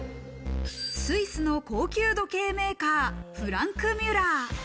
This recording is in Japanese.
スイスの高級時計メーカー・フランクミュラー。